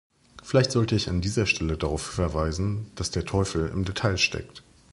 Vielleicht sollte ich an dieser Stelle darauf verweisen, dass der Teufel im Detail steckt.